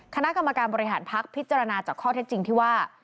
คณะกรรมการบริหารพักพิจารณาจากข้อเท็จจริงที่ว่า